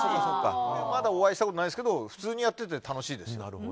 まだお会いしたことないですけど普通にやっていて楽しいです。